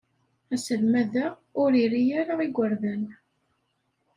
Aselmad-a ur iri ara igerdan.